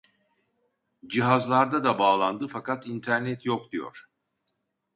Cihazlarda da bağlandı fakat internet yok diyor